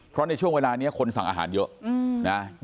เพราะในช่วงเวลานี้คนสั่งอาหารเยอะนะ